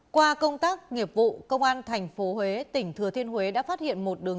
qua công tác nghiệp vụ công an thành phố huế tỉnh thừa thiên huế đã phát hiện một đường